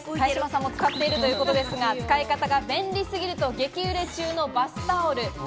茅島さんも使っているということですが、使い方が便利すぎると激売れ中のバスタオル。